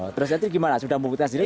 terus nanti gimana sudah membutuhkan diri